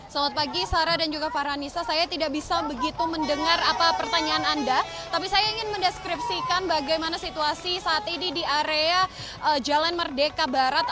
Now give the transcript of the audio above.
selamat pagi saya tidak bisa begitu mendengar pertanyaan anda tapi saya ingin mendeskripsikan bagaimana situasi saat ini di area jalan merdeka barat